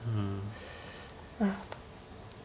なるほど。